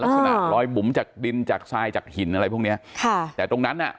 ลักษณะรอยบุ๋มจากดินจากทรายจากหินอะไรพวกเนี้ยค่ะแต่ตรงนั้นอ่ะ